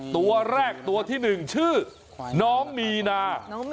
ตัวแรกตัวที่๑ชื่อน้องมีนา